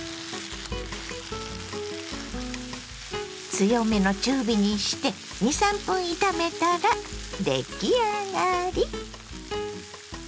強めの中火にして２３分炒めたら出来上がり。